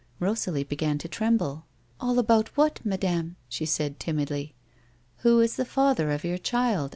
Rosalie began to tremble. " All about what, madame? " she said, timidly. " Who is the father of your child